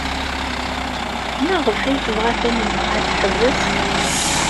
Maɣef ay tebɣa Taninna ad teḥbes?